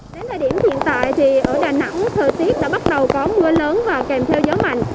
đến thời điểm hiện tại thì ở đà nẵng thời tiết đã bắt đầu có mưa lớn và kèm theo gió mạnh